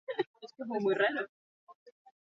Katedrala beteta egongo da sarrera guztiak saldu baitira.